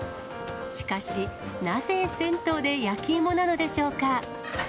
しかし、なぜ銭湯で焼き芋なのでしょうか。